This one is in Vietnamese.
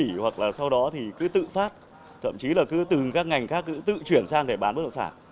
chứng chỉ hoặc là sau đó thì cứ tự phát thậm chí là cứ từ các ngành khác cứ tự chuyển sang để bán bất động sản